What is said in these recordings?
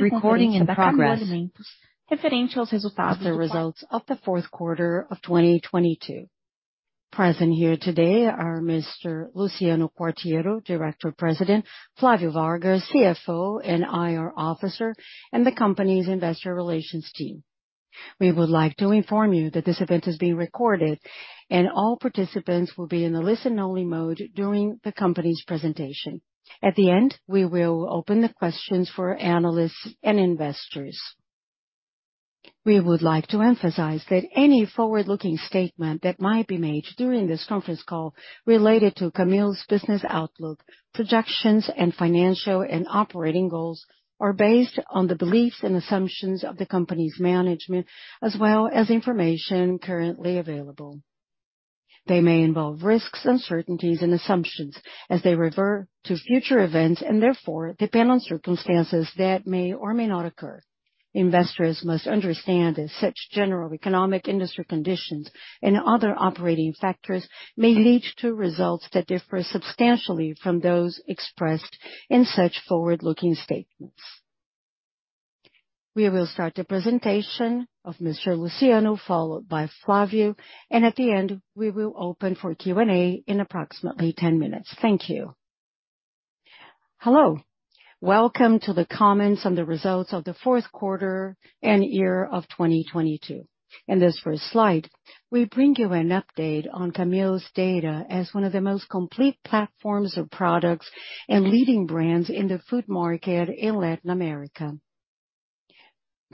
Recording in progress. of the results of the fourth quarter of 2022. Present here today are Mr. Luciano Quartiero, Director President, Flavio Vargas, CFO and IR Officer, and the company's investor relations team. We would like to inform that this event is being recorded, and all participants will be in the listen-only mode during the company's presentation. At the end, we will open the questions for analysts and investors. We would like to emphasize that any forward-looking statement that might be made during this conference call related to Camil's business outlook, projections, and financial and operating goals are based on the beliefs and assumptions of the company's management, as well as information currently available. They may involve risks, uncertainties and assumptions as they refer to future events and therefore depend on circumstances that may or may not occur. Investors must understand that such general economic industry conditions and other operating factors may lead to results that differ substantially from those expressed in such forward-looking statements. We will start the presentation of Mr. Luciano, followed by Flavio, and at the end, we will open for Q&A in approximately 10 minutes. Thank you. Hello. Welcome to the comments on the results of the 4th quarter and year of 2022. In this first slide, we bring you an update on Camil's data as one of the most complete platforms of products and leading brands in the food market in Latin America.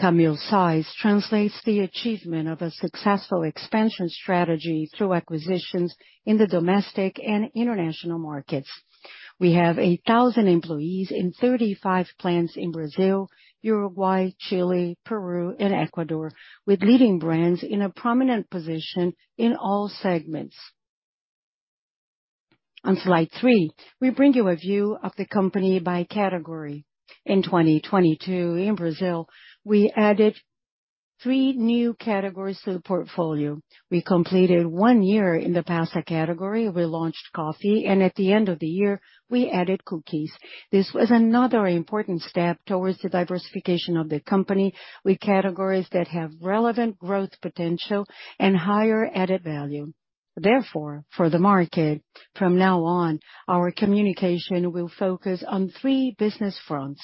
Camil's size translates the achievement of a successful expansion strategy through acquisitions in the domestic and international markets. We have 1,000 employees in 35 plants in Brazil, Uruguay, Chile, Peru and Ecuador, with leading brands in a prominent position in all segments. On slide 3, we bring you a view of the company by category. In 2022, in Brazil, we added three new categories to the portfolio. We completed one year in the pasta category. We launched coffee and at the end of the year we added cookies. This was another important step towards the diversification of the company with categories that have relevant growth potential and higher added value. Therefore, for the market from now on, our communication will focus on three business fronts: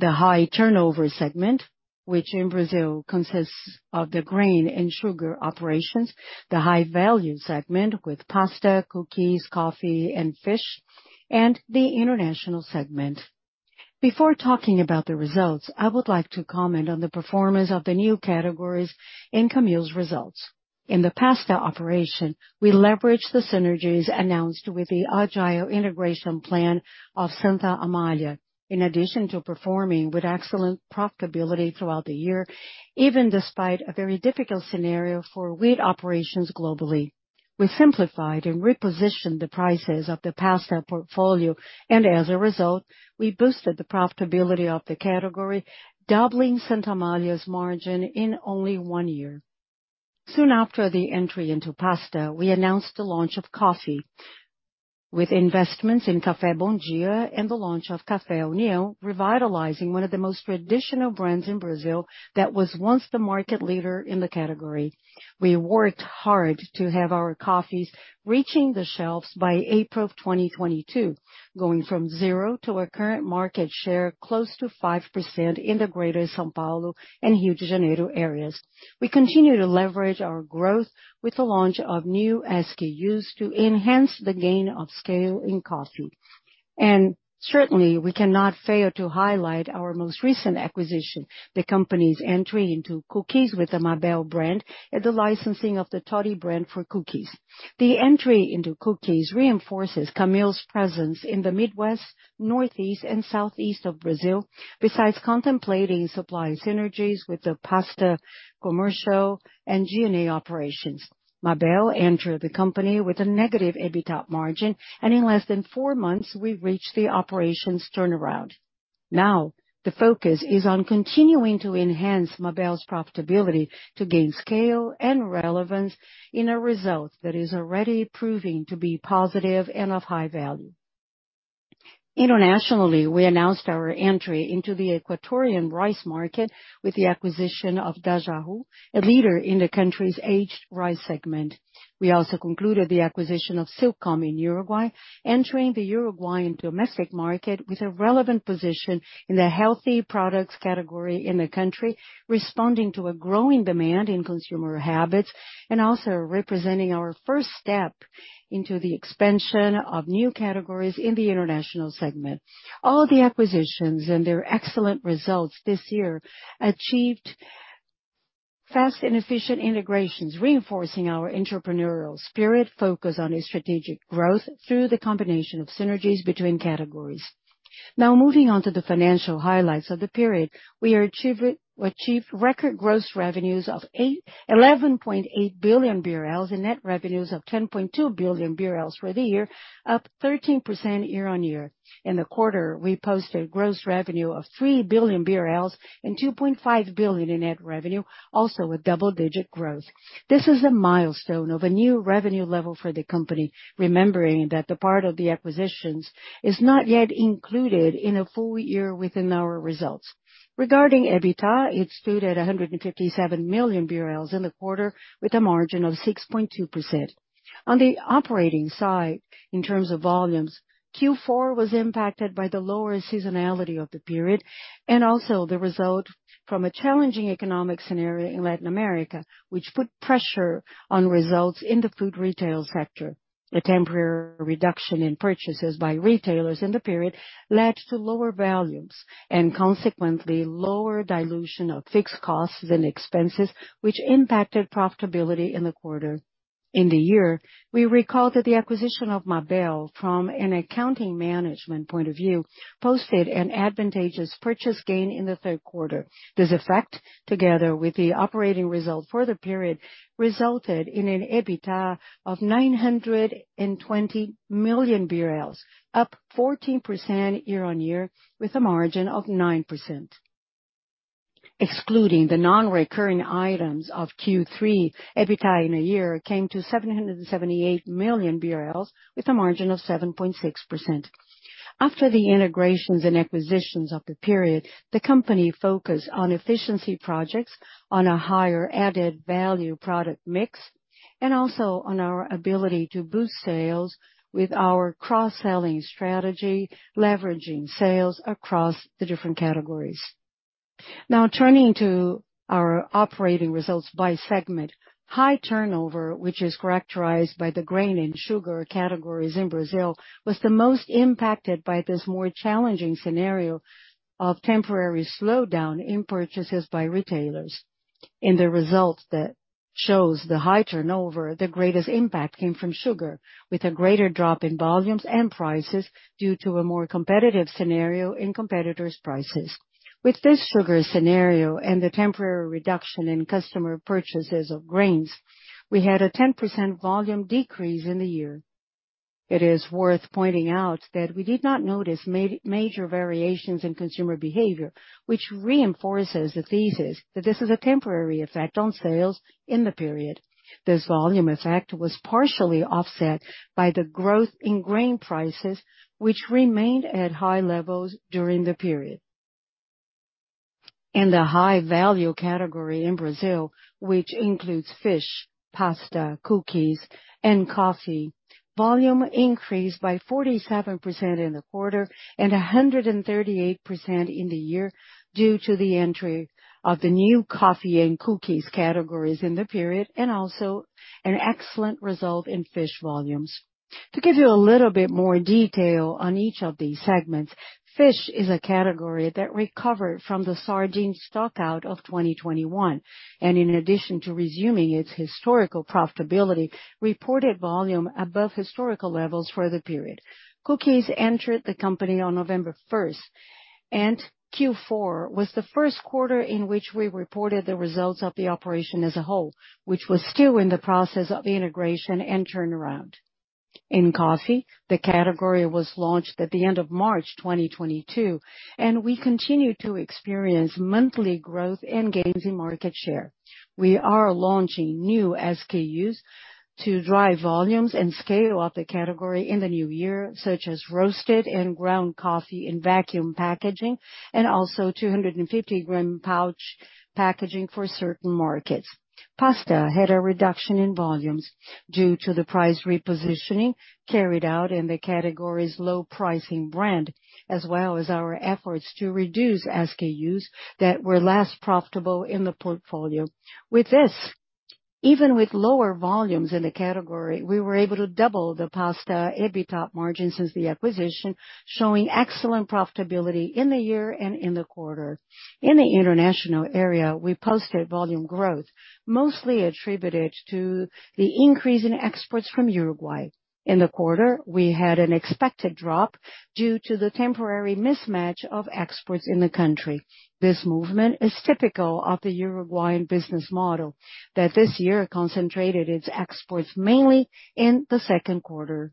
The high turnover segment, which in Brazil consists of the grain and sugar operations, the high value segment with pasta, cookies, coffee and fish, and the international segment. Before talking about the results, I would like to comment on the performance of the new categories in Camil's results. In the pasta operation, we leveraged the synergies announced with the agile integration plan of Santa Amália. In addition to performing with excellent profitability throughout the year, even despite a very difficult scenario for wheat operations globally. We simplified and repositioned the prices of the pasta portfolio, and as a result, we boosted the profitability of the category, doubling Santa Amália's margin in only one year. Soon after the entry into pasta, we announced the launch of coffee with investments in Café Bom Dia and the launch of Café União, revitalizing one of the most traditional brands in Brazil that was once the market leader in the category. We worked hard to have our coffees reaching the shelves by April of 2022, going from to a current market share close to 5% in the Greater São Paulo and Rio de Janeiro areas. We continue to leverage our growth with the launch of new SKUs to enhance the gain of scale in coffee. Certainly we cannot fail to highlight our most recent acquisition, the company's entry into cookies with the Mabel brand and the licensing of the Toddy brand for cookies. The entry into cookies reinforces Camil's presence in the Midwest, Northeast and Southeast of Brazil. Contemplating supply synergies with the pasta, commercial and G&A operations. Mabel entered the company with a negative EBITDA margin and in less than four months we've reached the operations turnaround. Now the focus is on continuing to enhance Mabel's profitability to gain scale and relevance in a result that is already proving to be positive and of high value. Internationally, we announced our entry into the Ecuadorian rice market with the acquisition of Dajahu, a leader in the country's aged rice segment. We also concluded the acquisition of Silcom in Uruguay, entering the Uruguayan domestic market with a relevant position in the healthy products category in the country, responding to a growing demand in consumer habits and also representing our first step into the expansion of new categories in the international segment. All the acquisitions and their excellent results this year achieved fast and efficient integrations, reinforcing our entrepreneurial spirit focused on a strategic growth through the combination of synergies between categories. Now moving on to the financial highlights of the period, we achieved record gross revenues of 11.8 billion BRL and net revenues of 10.2 billion BRL for the year, up 13% year-on-year. In the quarter, we posted gross revenue of 3 billion BRL and 2.5 billion in net revenue, also a double-digit growth. This is a milestone of a new revenue level for the company, remembering that the part of the acquisitions is not yet included in a full year within our results. Regarding EBITDA, it stood at 157 million BRL in the quarter, with a margin of 6.2%. On the operating side, in terms of volumes, Q4 was impacted by the lower seasonality of the period and also the result from a challenging economic scenario in Latin America, which put pressure on results in the food retail sector. The temporary reduction in purchases by retailers in the period led to lower volumes and consequently lower dilution of fixed costs and expenses, which impacted profitability in the quarter. In the year, we recall that the acquisition of Mabel from an accounting management point of view posted an advantageous purchase gain in the third quarter. This effect, together with the operating result for the period, resulted in an EBITDA of 920 million BRL, up 14% year-on-year with a margin of 9%. Excluding the non-recurring items of Q3, EBITDA in a year came to 778 million BRL with a margin of 7.6%. After the integrations and acquisitions of the period, the company focused on efficiency projects on a higher added value product mix, also on our ability to boost sales with our cross-selling strategy, leveraging sales across the different categories. Turning to our operating results by segment. High turnover, which is characterized by the grain and sugar categories in Brazil, was the most impacted by this more challenging scenario of temporary slowdown in purchases by retailers. In the results that shows the high turnover, the greatest impact came from sugar, with a greater drop in volumes and prices due to a more competitive scenario in competitors' prices. With this sugar scenario and the temporary reduction in customer purchases of grains, we had a 10% volume decrease in the year. It is worth pointing out that we did not notice major variations in consumer behavior, which reinforces the thesis that this is a temporary effect on sales in the period. This volume effect was partially offset by the growth in grain prices, which remained at high levels during the period. In the high value category in Brazil, which includes fish, pasta, cookies, and coffee, volume increased by 47% in the quarter and 138% in the year due to the entry of the new coffee and cookies categories in the period, also an excellent result in fish volumes. To give you a little bit more detail on each of these segments, fish is a category that recovered from the sardine stock-out of 2021, in addition to resuming its historical profitability, reported volume above historical levels for the period. Cookies entered the company on November 1st, Q4 was the first quarter in which we reported the results of the operation as a whole, which was still in the process of integration and turnaround. In coffee, the category was launched at the end of March 2022, and we continue to experience monthly growth and gains in market share. We are launching new SKUs to drive volumes and scale up the category in the new year, such as roasted and ground coffee in vacuum packaging and also 250-gram pouch packaging for certain markets. Pasta had a reduction in volumes due to the price repositioning carried out in the category's low pricing brand, as well as our efforts to reduce SKUs that were less profitable in the portfolio. With this, even with lower volumes in the category, we were able to double the pasta EBITDA margin since the acquisition, showing excellent profitability in the year and in the quarter. In the international area, we posted volume growth, mostly attributed to the increase in exports from Uruguay. In the quarter, we had an expected drop due to the temporary mismatch of exports in the country. This movement is typical of the Uruguayan business model that this year concentrated its exports mainly in the 2nd quarter.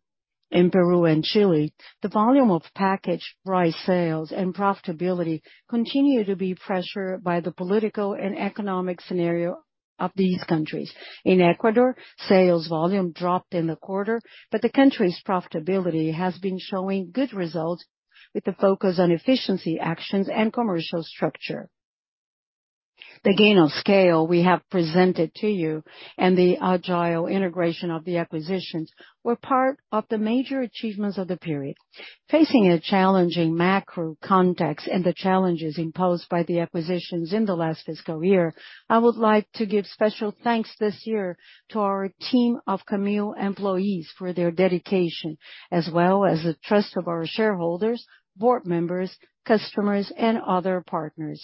In Peru and Chile, the volume of packaged rice sales and profitability continued to be pressured by the political and economic scenario of these countries. In Ecuador, sales volume dropped in the quarter, the country's profitability has been showing good results with the focus on efficiency actions and commercial structure. The gain of scale we have presented to you and the agile integration of the acquisitions were part of the major achievements of the period. Facing a challenging macro context and the challenges imposed by the acquisitions in the last fiscal year, I would like to give special thanks this year to our team of Camil employees for their dedication, as well as the trust of our shareholders, board members, customers, and other partners.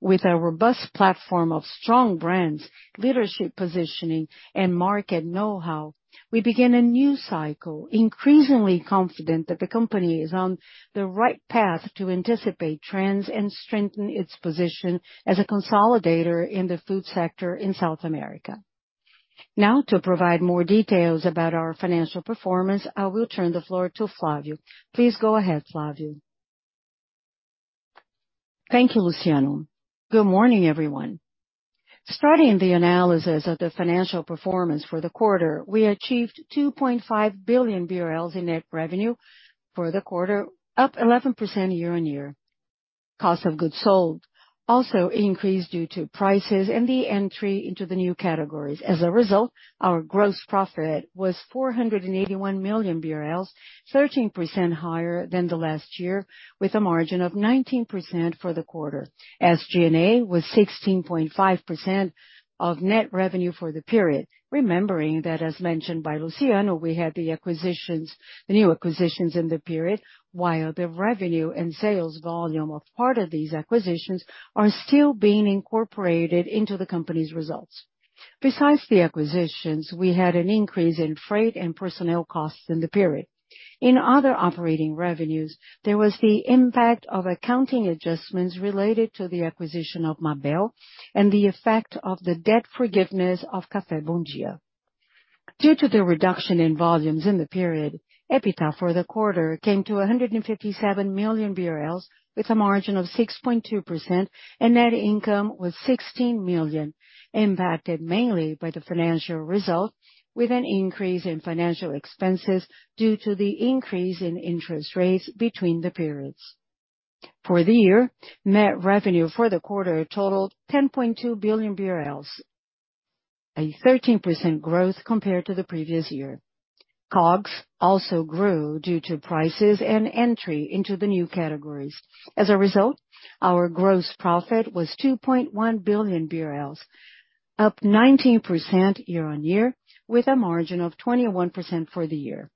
With a robust platform of strong brands, leadership positioning, and market know-how, we begin a new cycle, increasingly confident that the company is on the right path to anticipate trends and strengthen its position as a consolidator in the food sector in South America. Now, to provide more details about our financial performance, I will turn the floor to Flavio. Please go ahead, Flavio. Thank you, Luciano. Good morning, everyone. Starting the analysis of the financial performance for the quarter, we achieved 2.5 billion BRL in net revenue for the quarter, up 11% year-on-year. Cost of goods sold also increased due to prices and the entry into the new categories. As a result, our gross profit was 481 million BRL, 13% higher than the last year, with a margin of 19% for the quarter. SG&A was 16.5% of net revenue for the period. Remembering that, as mentioned by Luciano, we had the acquisitions, the new acquisitions in the period, while the revenue and sales volume of part of these acquisitions are still being incorporated into the company's results. Besides the acquisitions, we had an increase in freight and personnel costs in the period. In other operating revenues, there was the impact of accounting adjustments related to the acquisition of Mabel and the effect of the debt forgiveness of Café Bom Dia. Due to the reduction in volumes in the period, EBITDA for the quarter came to 157 million BRL, with a margin of 6.2%. Net income was 16 million, impacted mainly by the financial result, with an increase in financial expenses due to the increase in interest rates between the periods. For the year, net revenue for the quarter totaled 10.2 billion BRL, a 13% growth compared to the previous year. COGS also grew due to prices and entry into the new categories. As a result, our gross profit was 2.1 billion BRL, up 19% year-on-year, with a margin of 21% for the year.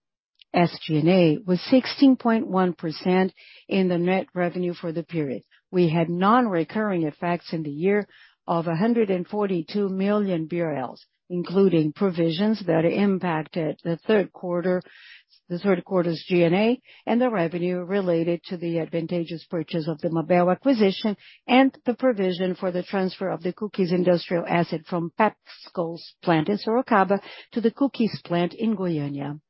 SG&A was 16.1% in the net revenue for the period. We had non-recurring effects in the year of 142 million BRL, including provisions that impacted the third quarter, the third quarter's SG&A and the revenue related to the advantageous purchase of the Mabel acquisition and the provision for the transfer of the cookies industrial asset from PepsiCo's plant in Sorocaba to the cookies plant in Goiânia.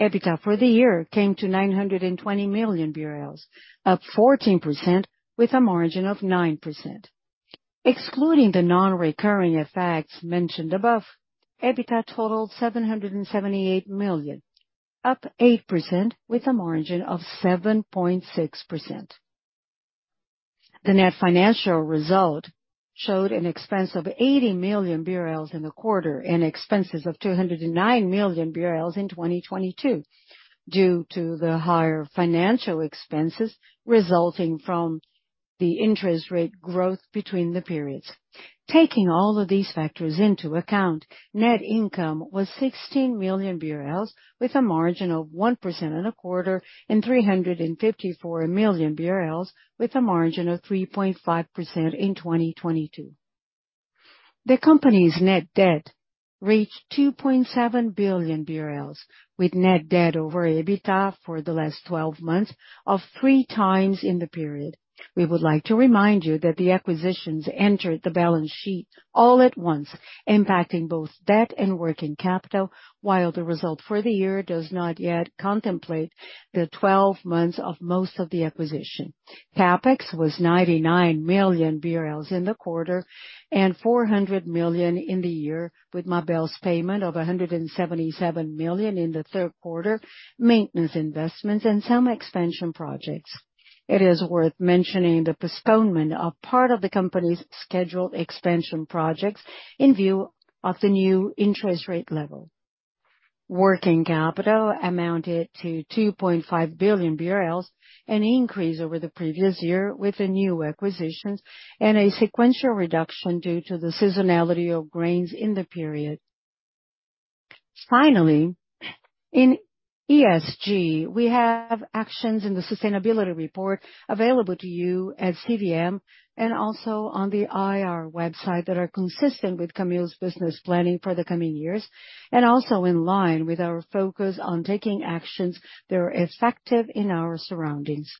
EBITDA for the year came to 920 million BRL, up 14% with a margin of 9%. Excluding the non-recurring effects mentioned above, EBITDA totaled 778 million, up 8% with a margin of 7.6%. The net financial result showed an expense of 80 million BRL in the quarter and expenses of 209 million BRL in 2022 due to the higher financial expenses resulting from the interest rate growth between the periods. Taking all of these factors into account, net income was 16 million BRL with a margin of 1% in a quarter and 354 million BRL with a margin of 3.5% in 2022. The company's net debt reached 2.7 billion BRL, with net debt over EBITDA for the last 12 months of 3x in the period. We would like to remind you that the acquisitions entered the balance sheet all at once, impacting both debt and working capital, while the result for the year does not yet contemplate the 12 months of most of the acquisition. CapEx was 99 million BRL in the quarter and 400 million in the year, with Mabel's payment of 177 million in the third quarter, maintenance investments and some expansion projects. It is worth mentioning the postponement of part of the company's scheduled expansion projects in view of the new interest rate level. Working capital amounted to 2.5 billion BRL, an increase over the previous year with the new acquisitions and a sequential reduction due to the seasonality of grains in the period. Finally, in ESG, we have actions in the sustainability report available to you at CVM and also on the IR website that are consistent with Camil's business planning for the coming years and also in line with our focus on taking actions that are effective in our surroundings.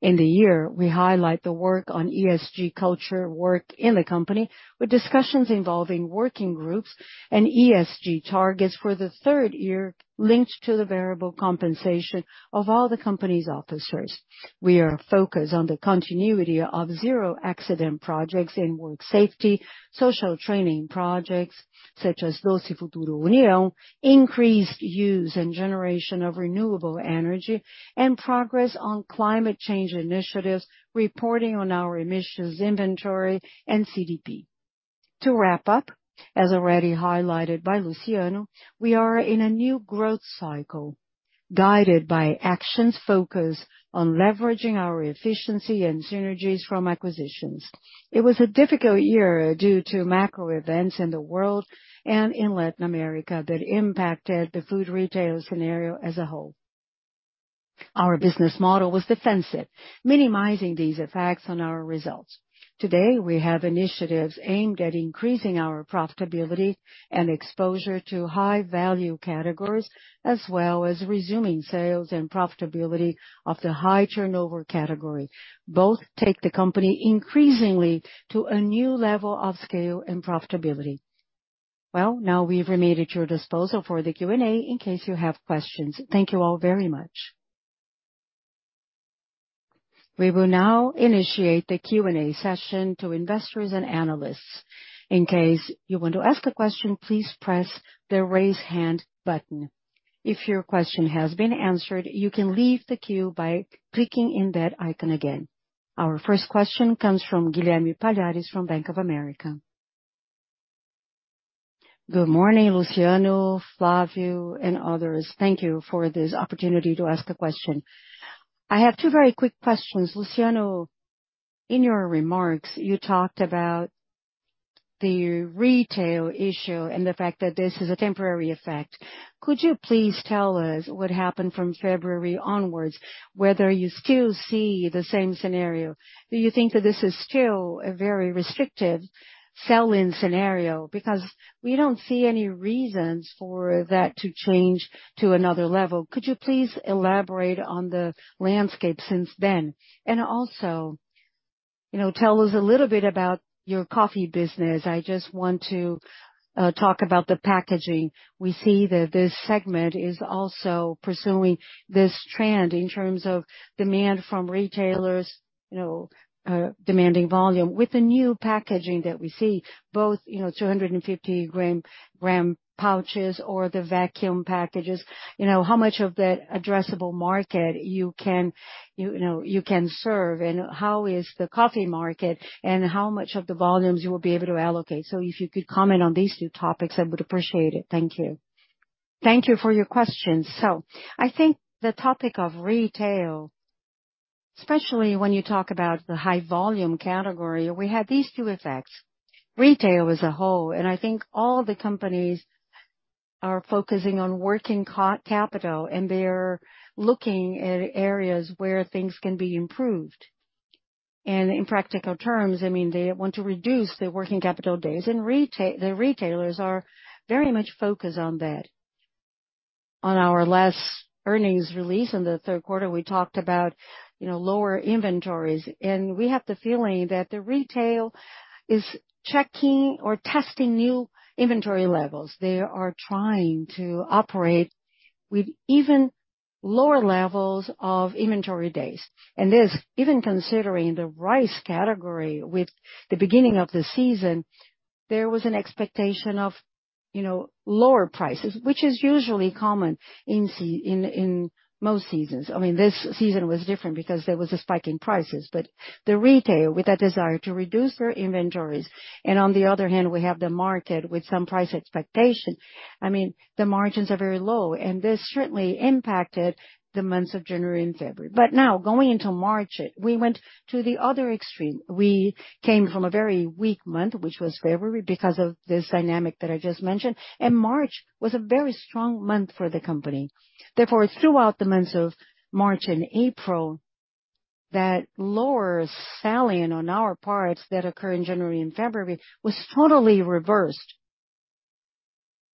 In the year, we highlight the work on ESG culture work in the company with discussions involving working groups and ESG targets for the third year linked to the variable compensation of all the company's officers. We are focused on the continuity of zero accident projects in work safety, social training projects such as Doce Futuro União, increased use and generation of renewable energy, and progress on climate change initiatives, reporting on our emissions inventory and CDP. To wrap up, as already highlighted by Luciano, we are in a new growth cycle guided by actions focused on leveraging our efficiency and synergies from acquisitions. It was a difficult year due to macro events in the world and in Latin America that impacted the food retail scenario as a whole. Our business model was defensive, minimizing these effects on our results. Today, we have initiatives aimed at increasing our profitability and exposure to high value categories, as well as resuming sales and profitability of the high turnover category. Both take the company increasingly to a new level of scale and profitability. Well, now we've remained at your disposal for the Q&A in case you have questions. Thank you all very much. We will now initiate the Q&A session to investors and analysts. In case you want to ask a question, please press the Raise Hand button. If your question has been answered, you can leave the queue by clicking in that icon again. Our first question comes from Guilherme Palhares from Bank of America. Good morning, Luciano, Flavio, and others. Thank you for this opportunity to ask a question. I have two very quick questions. Luciano, in your remarks, you talked about the retail issue and the fact that this is a temporary effect. Could you please tell us what happened from February onwards, whether you still see the same scenario? Do you think that this is still a very restrictive sell-in scenario? We don't see any reasons for that to change to another level. Could you please elaborate on the landscape since then? Also, you know, tell us a little bit about your coffee business. I just want to talk about the packaging. We see that this segment is also pursuing this trend in terms of demand from retailers, you know, demanding volume. With the new packaging that we see, both, you know, 250 gram pouches or the vacuum packages, you know, how much of that addressable market you can, you know, you can serve, and how is the coffee market, and how much of the volumes you will be able to allocate? If you could comment on these two topics, I would appreciate it. Thank you. Thank you for your questions.I think the topic of retail, especially when you talk about the high volume category, we had these two effects. Retail as a whole, and I think all the companies are focusing on working capital, and they're looking at areas where things can be improved. In practical terms, I mean, they want to reduce their working capital days, the retailers are very much focused on that. On our last earnings release in the third quarter, we talked about, you know, lower inventories, and we have the feeling that the retail is checking or testing new inventory levels. They are trying to operate with even lower levels of inventory days. This, even considering the rice category with the beginning of the season, there was an expectation of, you know, lower prices, which is usually common in most seasons. I mean, this season was different because there was a spike in prices, but the retail, with that desire to reduce their inventories, and on the other hand, we have the market with some price expectation. I mean, the margins are very low, and this certainly impacted the months of January and February. Now, going into March, we went to the other extreme. We came from a very weak month, which was February, because of this dynamic that I just mentioned, and March was a very strong month for the company. Therefore, throughout the months of March and April, that lower sell-in on our parts that occurred in January and February was totally reversed.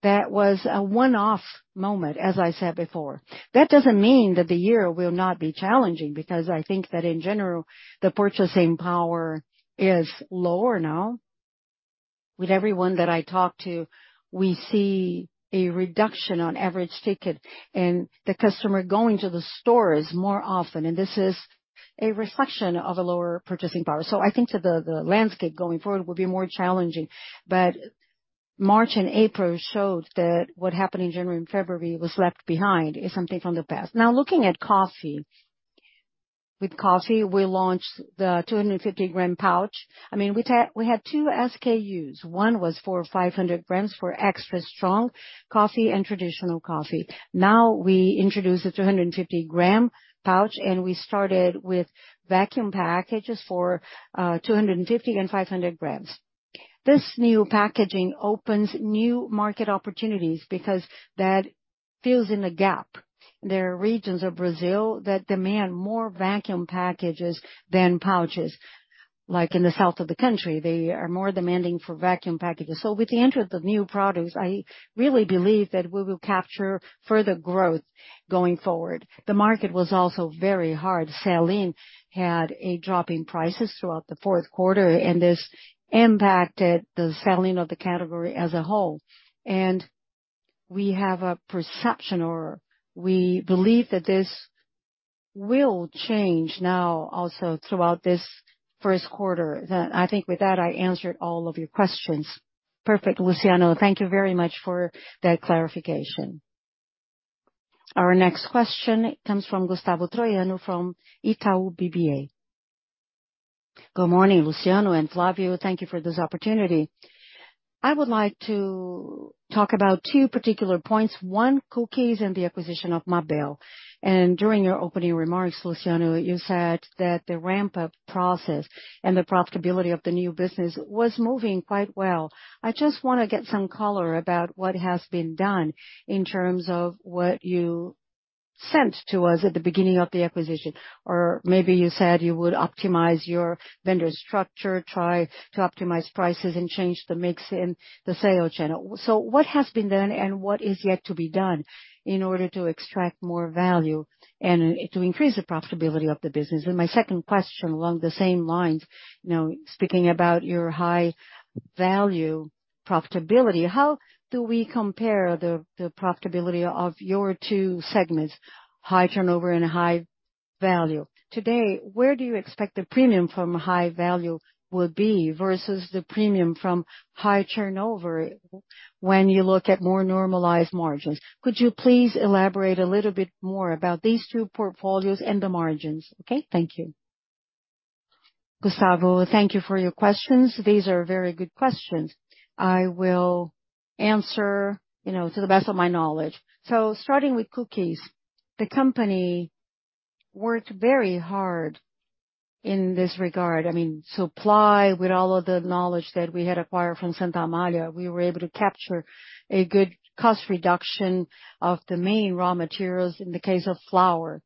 That was a one-off moment, as I said before. That doesn't mean that the year will not be challenging, because I think that, in general, the purchasing power is lower now. With everyone that I talk to, we see a reduction on average ticket and the customer going to the stores more often. This is a reflection of a lower purchasing power. I think that the landscape going forward will be more challenging. March and April showed that what happened in January and February was left behind. It's something from the past. Looking at coffee. With coffee, we launched the 250 g pouch. I mean, we had 2 SKUs. One was for 500 g for extra strong coffee and traditional coffee. We introduced the 350 g pouch, and we started with vacuum packages for 250 and 500 g. This new packaging opens new market opportunities because that fills in a gap. There are regions of Brazil that demand more vacuum packages than pouches. Like in the south of the country, they are more demanding for vacuum packages. With the entrance of new products, I really believe that we will capture further growth going forward. The market was also very hard. Sell-in had a drop in prices throughout the fourth quarter, and this impacted the sell-in of the category as a whole. We have a perception, or we believe that this will change now also throughout this first quarter. I think with that, I answered all of your questions. Perfect, Luciano. Thank you very much for that clarification. Our next question comes from Gustavo Troyano from Itaú BBA. Good morning, Luciano and Flavio. Thank you for this opportunity. I would like to talk about two particular points. One, cookies and the acquisition of Mabel. During your opening remarks, Luciano, you said that the ramp-up process and the profitability of the new business was moving quite well. I just wanna get some color about what has been done in terms of what you sent to us at the beginning of the acquisition. Maybe you said you would optimize your vendor structure, try to optimize prices, and change the mix in the sales channel. What has been done and what is yet to be done in order to extract more value and to increase the profitability of the business? My second question along the same lines, you know, speaking about your high value profitability, how do we compare the profitability of your two segments, high turnover and high value? Today, where do you expect the premium from high value will be versus the premium from high turnover when you look at more normalized margins? Could you please elaborate a little bit more about these two portfolios and the margins? Okay. Thank you. Gustavo, thank you for your questions. These are very good questions. I will answer, you know, to the best of my knowledge. Starting with cookies. The company worked very hard in this regard. I mean, supply, with all of the knowledge that we had acquired from Santa Amália, we were able to capture a good cost reduction of the main raw materials. In the case of flour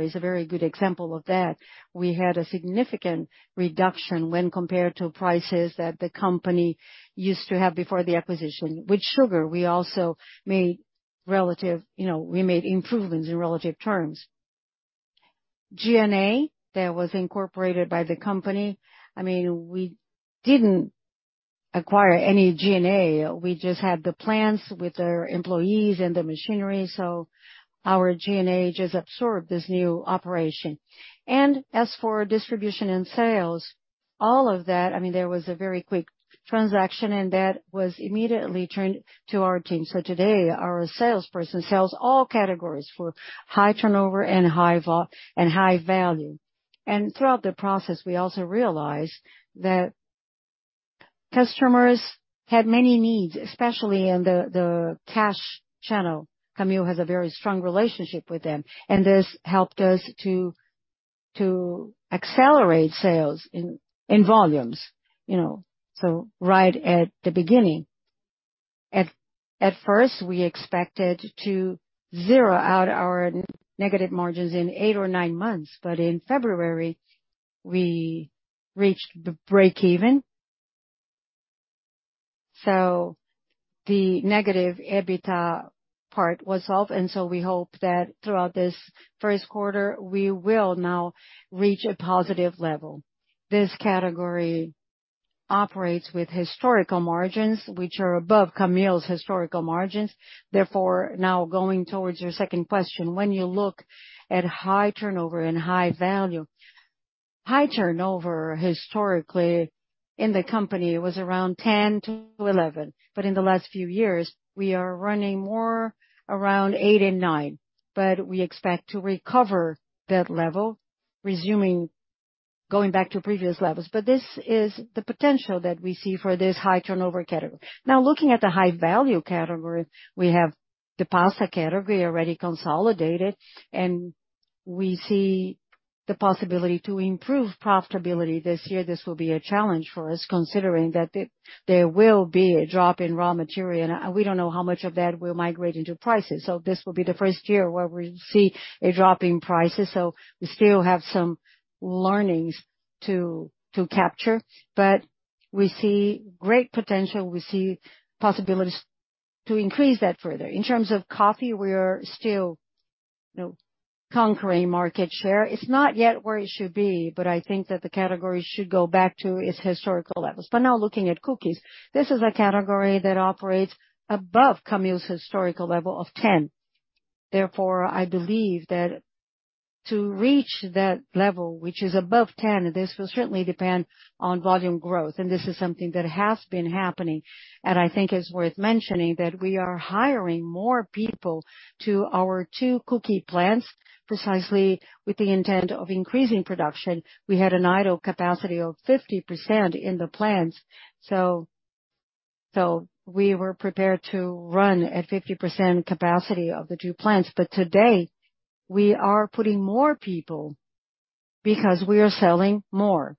is a very good example of that. We had a significant reduction when compared to prices that the company used to have before the acquisition. With sugar, we also made relative, you know, we made improvements in relative terms. SG&A that was incorporated by the company. I mean, we didn't acquire any SG&A. We just had the plants with their employees and the machinery. Our SG&A just absorbed this new operation. As for distribution and sales, all of that, I mean, there was a very quick transaction, and that was immediately turned to our team. Today our salesperson sells all categories for high turnover and high value. Throughout the process we also realized that customers had many needs, especially in the cash channel. Camil has a very strong relationship with them, and this helped us to accelerate sales in volumes, you know. Right at the beginning. At first, we expected to zero out our negative margins in eight or nine months. In February, we reached the breakeven. The negative EBITDA part was solved. We hope that throughout this first quarter we will now reach a positive level. This category operates with historical margins which are above Camil's historical margins. Therefore, now going towards your second question. When you look at high turnover and high value, high turnover historically in the company was around 10-11. In the last few years, we are running more around eight and nine. We expect to recover that level, going back to previous levels. This is the potential that we see for this high turnover category. Now looking at the high value category, we have the pasta category already consolidated. We see the possibility to improve profitability this year. This will be a challenge for us considering that there will be a drop in raw material. We don't know how much of that will migrate into prices. This will be the first year where we see a drop in prices. We still have some learnings to capture. We see great potential. We see possibilities to increase that further. In terms of coffee, we are still, you know, conquering market share. It's not yet where it should be, but I think that the category should go back to its historical levels. Now looking at cookies. This is a category that operates above Camil's historical level of ten. I believe that to reach that level, which is above 10, this will certainly depend on volume growth, and this is something that has been happening, and I think is worth mentioning that we are hiring more people to our two cookie plants, precisely with the intent of increasing production. We had an idle capacity of 50% in the plants, so we were prepared to run at 50% capacity of the two plants. Today we are putting more people because we are selling more.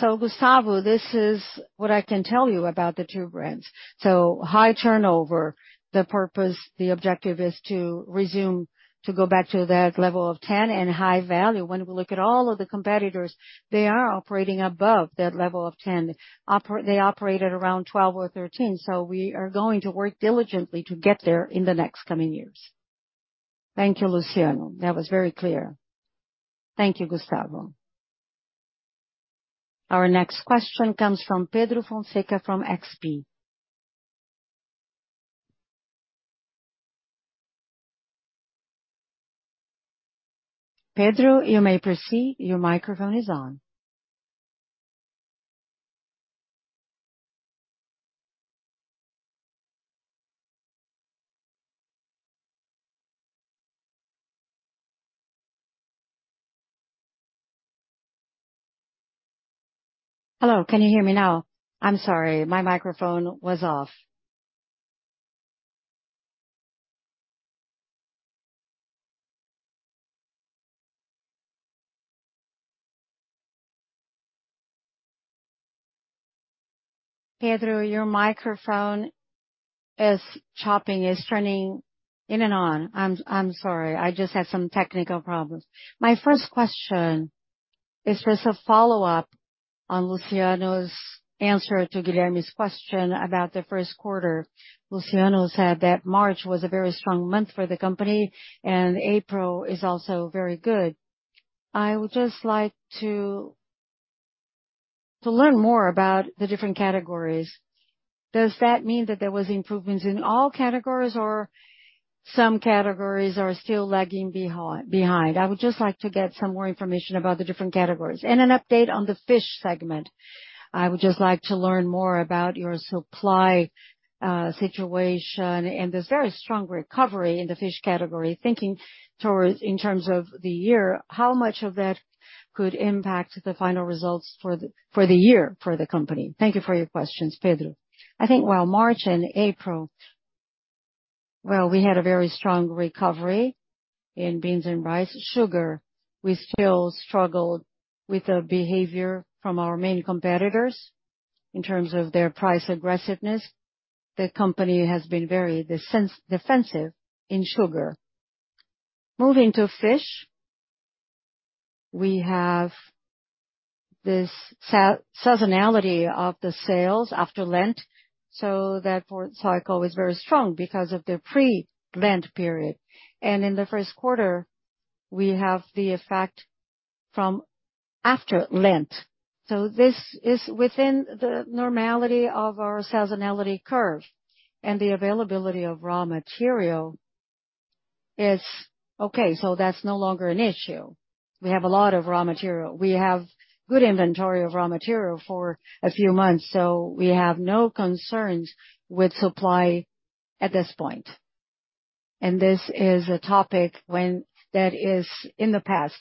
Gustavo, this is what I can tell you about the two brands. High turnover, the purpose, the objective is to go back to that level of 10. High value, when we look at all of the competitors, they are operating above that level of 10. They operate at around 12 or 13.We are going to work diligently to get there in the next coming years. Thank you, Luciano. That was very clear. Thank you, Gustavo. Our next question comes from Pedro Fonseca from XP. Pedro, you may proceed. Your microphone is on. Hello, can you hear me now? I'm sorry, my microphone was off. Pedro, your microphone is chopping. It's turning in and on. I'm sorry. I just have some technical problems. My first question is just a follow-up on Luciano's answer to Guilherme's question about the first quarter. Luciano said that March was a very strong month for the company, April is also very good. I would just like to learn more about the different categories. Does that mean that there was improvements in all categories or some categories are still lagging behind? I would just like to get some more information about the different categories and an update on the fish segment. I would just like to learn more about your supply situation and this very strong recovery in the fish category. Thinking towards in terms of the year, how much of that could impact the final results for the year for the company? Thank you for your questions, Pedro. I think while March and April, well, we had a very strong recovery in beans and rice. Sugar, we still struggled with the behavior from our main competitors in terms of their price aggressiveness. The company has been very defensive in sugar. Moving to fish, we have this seasonality of the sales after lent, so therefore the cycle is very strong because of the pre-lent period. In the first quarter we have the effect from after lent. This is within the normality of our seasonality curve and the availability of raw material is okay, so that's no longer an issue. We have a lot of raw material. We have good inventory of raw material for a few months, so we have no concerns with supply at this point. This is a topic when that is in the past.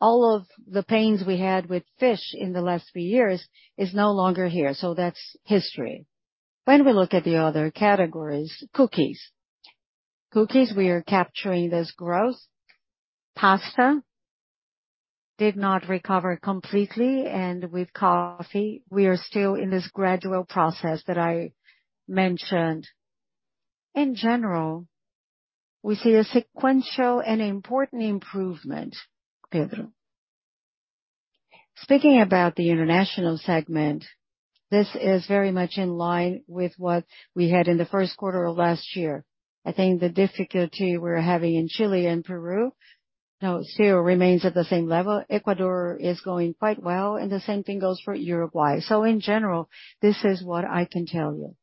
All of the pains we had with fish in the last few years is no longer here, that's history. When we look at the other categories, cookies. Cookies, we are capturing this growth. Pasta did not recover completely, with coffee we are still in this gradual process that I mentioned. In general, we see a sequential and important improvement, Pedro. Speaking about the international segment, this is very much in line with what we had in the first quarter of last year. I think the difficulty we're having in Chile and Peru, you know, still remains at the same level. Ecuador is going quite well, the same thing goes for Uruguay. In general, this is what I can tell you.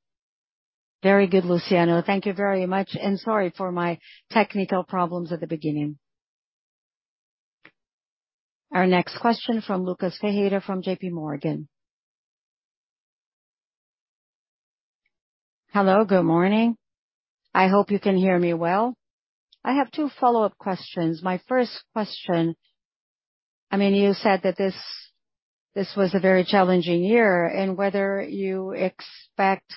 Very good, Luciano. Thank you very much, sorry for my technical problems at the beginning. Our next question from Lucas Ferreira from JPMorgan. Hello, good morning. I hope you can hear me well. I have two follow-up questions. My first question, I mean, you said that this was a very challenging year and whether you expect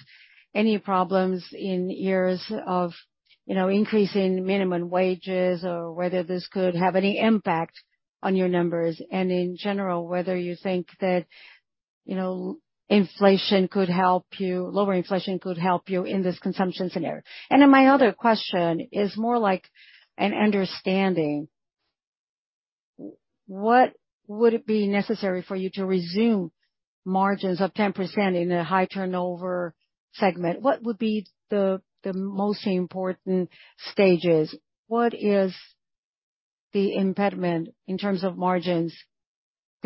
any problems in years of, you know, increasing minimum wages or whether this could have any impact on your numbers. In general, whether you think that, you know, lower inflation could help you in this consumption scenario. My other question is more like an understanding. What would it be necessary for you to resume margins of 10% in a high turnover segment? What would be the most important stages? What is the impediment in terms of margins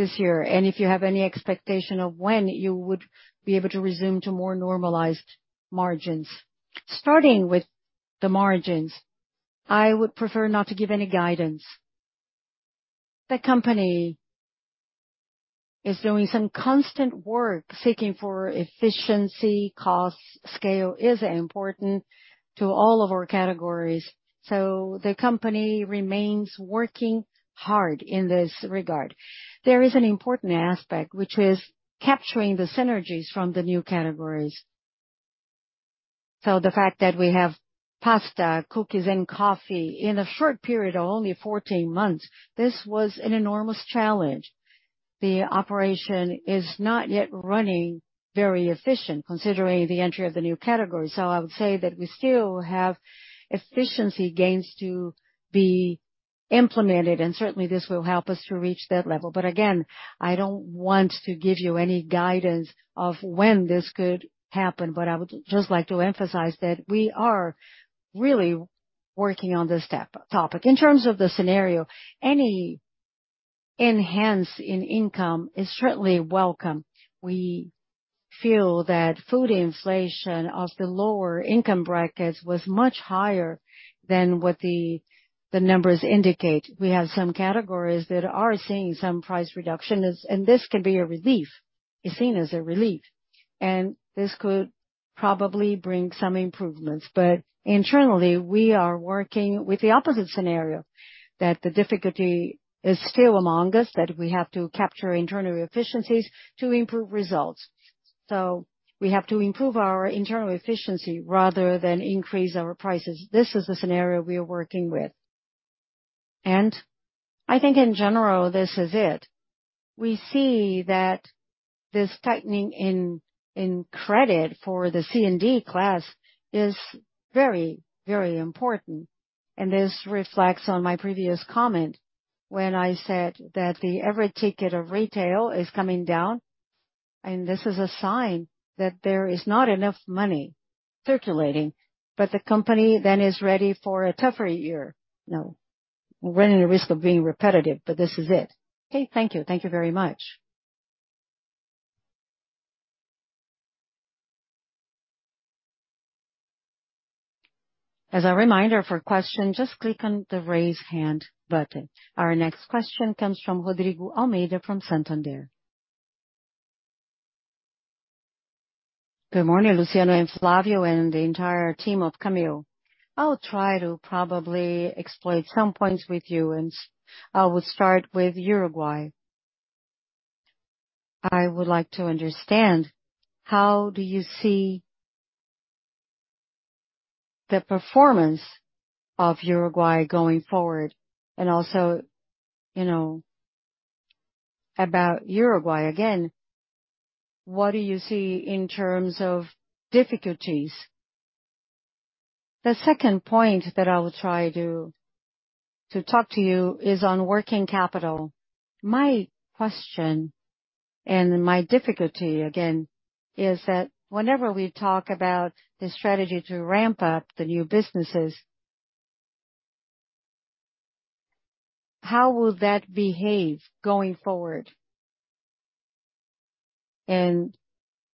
this year? If you have any expectation of when you would be able to resume to more normalized margins. Starting with the margins, I would prefer not to give any guidance. The company is doing some constant work seeking for efficiency, cost scale is important to all of our categories, so the company remains working hard in this regard. There is an important aspect which is capturing the synergies from the new categories. The fact that we have pasta, cookies and coffee in a short period of only 14 months, this was an enormous challenge. The operation is not yet running very efficient considering the entry of the new categories. I would say that we still have efficiency gains to be implemented and certainly this will help us to reach that level. Again, I don't want to give you any guidance of when this could happen, but I would just like to emphasize that we are really working on this top-topic. In terms of the scenario, any enhance in income is certainly welcome. We feel that food inflation of the lower income brackets was much higher than what the numbers indicate. We have some categories that are seeing some price reduction as and this could be a relief. It's seen as a relief, and this could probably bring some improvements. Internally we are working with the opposite scenario, that the difficulty is still among us, that we have to capture internal efficiencies to improve results. We have to improve our internal efficiency rather than increase our prices. This is the scenario we are working with. I think in general, this is it. We see that this tightening in credit for the C and D class is very, very important. This reflects on my previous comment when I said that the average ticket of retail is coming down. This is a sign that there is not enough money circulating, but the company then is ready for a tougher year. We're running the risk of being repetitive, but this is it. Okay. Thank you. Thank you very much. As a reminder for question, just click on the Raise Hand button. Our next question comes from Rodrigo Almeida from Santander. Good morning, Luciano and Flavio, and the entire team of Camil. I'll try to probably explore some points with you, I will start with Uruguay. I would like to understand how do you see the performance of Uruguay going forward, and also, you know, about Uruguay again, what do you see in terms of difficulties? The second point that I will try to talk to you is on working capital. My question and my difficulty again, is that whenever we talk about the strategy to ramp up the new businesses, how will that behave going forward?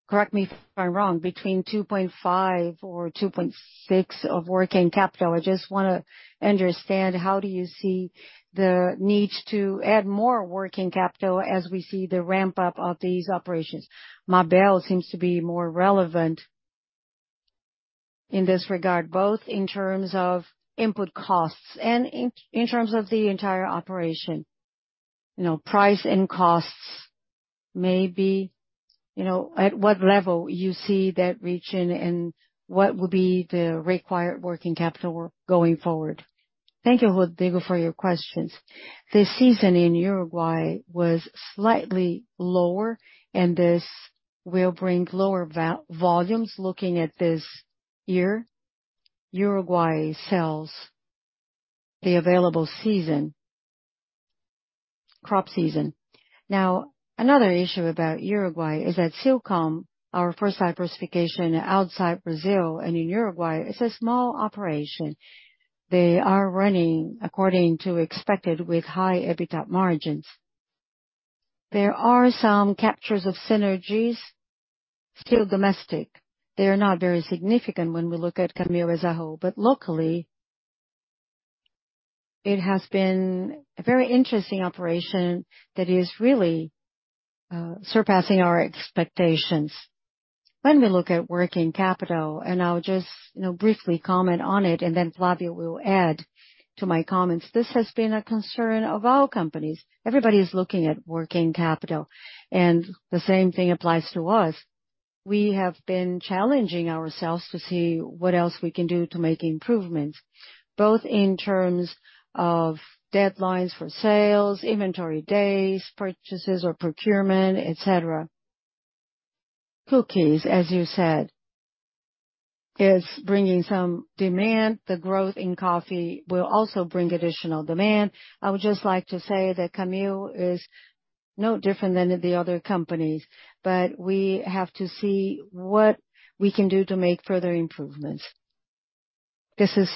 Correct me if I'm wrong, between 2.5 or 2.6 of working capital, I just wanna understand how do you see the need to add more working capital as we see the ramp up of these operations. Mabel seems to be more relevant in this regard, both in terms of input costs and in terms of the entire operation. You know, price and costs may be, you know, at what level you see that reaching and what will be the required working capital going forward. Thank you, Rodrigo, for your questions. The season in Uruguay was slightly lower and this will bring lower volumes looking at this year. Uruguay sells the available season, crop season. Another issue about Uruguay is that Silcom, our first diversification outside Brazil and in Uruguay is a small operation. They are running according to expected with high EBITDA margins. There are some captures of synergies still domestic. They are not very significant when we look at Camil as a whole, but locally it has been a very interesting operation that is really surpassing our expectations. When we look at working capital, and I'll just, you know, briefly comment on it and then Flavio will add to my comments. This has been a concern of all companies. Everybody is looking at working capital and the same thing applies to us. We have been challenging ourselves to see what else we can do to make improvements both in terms of deadlines for sales, inventory days, purchases or procurement, et cetera. Cookies, as you said, is bringing some demand. The growth in coffee will also bring additional demand. I would just like to say that Camil is no different than the other companies, but we have to see what we can do to make further improvements. This is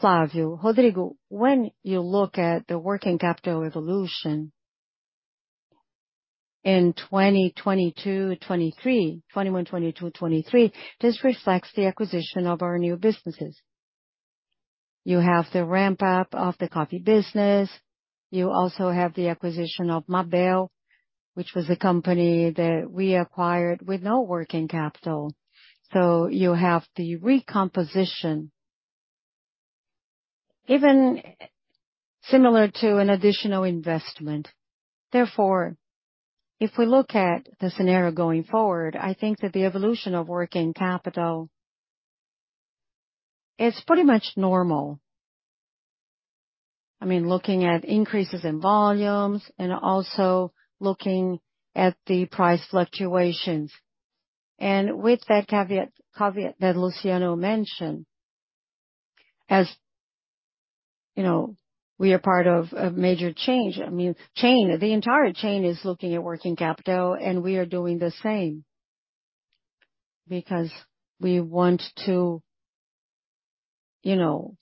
Flavio. Rodrigo, when you look at the working capital evolution in 2022, 2023-- 2021, 2022, 2023, this reflects the acquisition of our new businesses. You have the ramp up of the coffee business. You also have the acquisition of Mabel, which was a company that we acquired with no working capital. You have the recomposition even similar to an additional investment. Therefore, if we look at the scenario going forward, I think that the evolution of working capital is pretty much normal. I mean, looking at increases in volumes and also looking at the price fluctuations. With that caveat that Luciano mentioned, as you know, we are part of a major change. I mean, The entire chain is looking at working capital and we are doing the same because we want to, you know,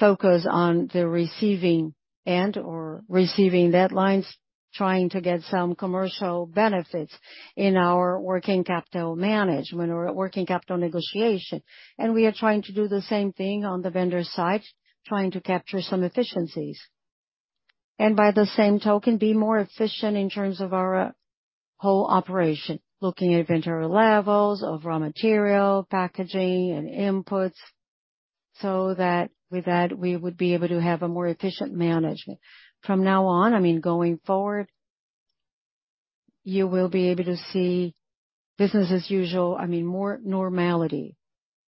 focus on the receiving end or receiving deadlines, trying to get some commercial benefits in our working capital management or working capital negotiation. We are trying to do the same thing on the vendor side, trying to capture some efficiencies and by the same token be more efficient in terms of our whole operation, looking at inventory levels of raw material, packaging and inputs, so that with that we would be able to have a more efficient management. From now on, I mean, going forward you will be able to see business as usual, I mean, more normality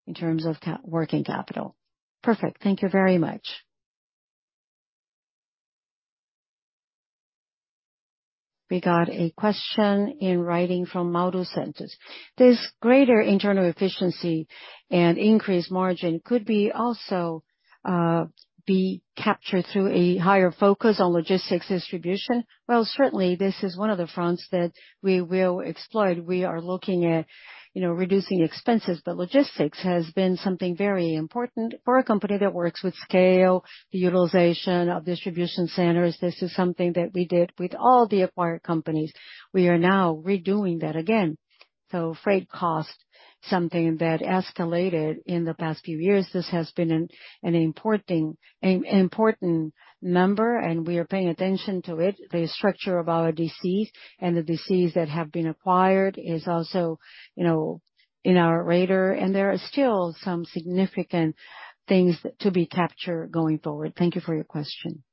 in terms of working capital. Perfect.Thank you very much. We got a question in writing from Model Centers. This greater internal efficiency and increased margin could be also be captured through a higher focus on logistics distribution. Well, certainly this is one of the fronts that we will explore. We are looking at, you know, reducing expenses, but logistics has been something very important for a company that works with scale, the utilization of distribution centers. This is something that we did with all the acquired companies. We are now redoing that again. Freight cost something that escalated in the past few years. This has been an important number and we are paying attention to it. The structure of our DCs and the DCs that have been acquired is also you know, in our radar. There are still some significant things to be captured going forward. Thank you for your question.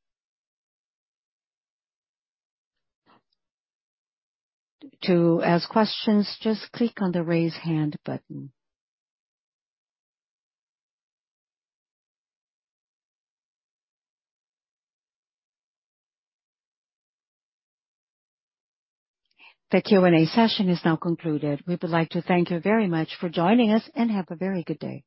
To ask questions, just click on the Raise Hand button. The Q&A session is now concluded. We would like to thank you very much for joining us and have a very good day.